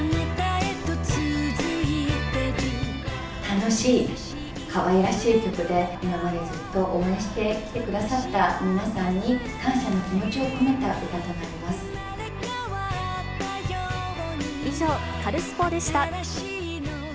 楽しい、かわいらしい曲で、今までずっと応援してきてくださった皆さんに感謝の気持ちを込め以上、カルスポっ！でした。